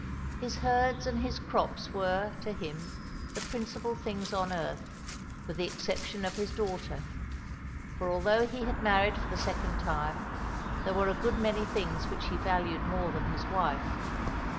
His herds and his crops were, to him, the principal things on earth, with the exception of his daughter; for, although he had married for the second time, there were a good many things which he valued more than his wife.